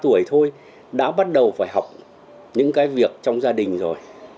một mươi hai một mươi ba tuổi thôi đã bắt đầu phải học những cái việc trong gia đình rồi